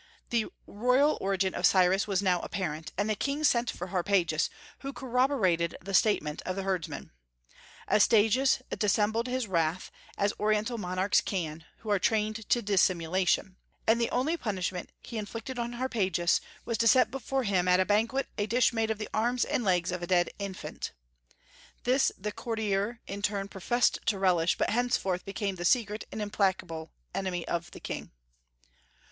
The royal origin of Cyrus was now apparent, and the king sent for Harpagus, who corroborated the statement of the herdsman. Astyages dissembled his wrath, as Oriental monarchs can, who are trained to dissimulation, and the only punishment he inflicted on Harpagus was to set before him at a banquet a dish made of the arms and legs of a dead infant. This the courtier in turn professed to relish, but henceforth became the secret and implacable enemy of the king.